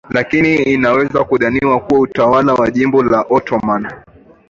lakini inaweza kudhaniwa kuwa utawala wa jimbo la Ottoman